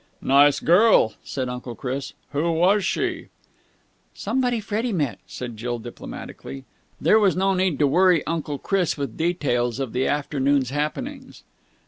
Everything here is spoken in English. "Nice girl," said Uncle Chris. "Who was she?" "Somebody Freddie met," said Jill diplomatically. There was no need to worry Uncle Chris with details of the afternoon's happenings.